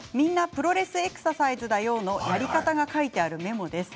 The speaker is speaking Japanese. プロレスエクササイズだよ」でやったやり方が書いてあるメモです。